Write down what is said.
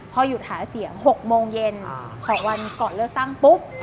พอหยุดหาเสียง๖โมงเย็นของวันก่อนเลือกตั้งปุ๊บ